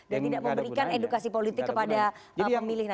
dan tidak memberikan edukasi politik kepada pemilih nantinya